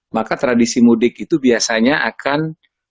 maka tradisi mudik itu biasanya akan